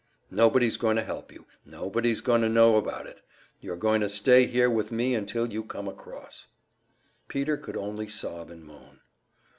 Nobody's going to help you, nobody's going to know about it. You're going to stay here with me until you come across." Peter could only sob and moan.